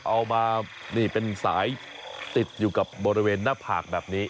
เอามานี่เป็นสายติดอยู่กับบริเวณหน้าผากแบบนี้